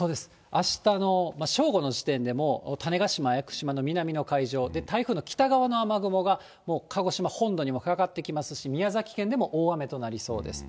あしたの正午の時点でも種子島、屋久島の南の海上、台風の北側の雨雲がもう、鹿児島本土にもかかってきますし、宮崎県でも大雨となりそうです。